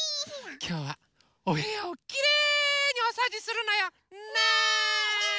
きょうはおへやをきれいにおそうじするのよ。ね！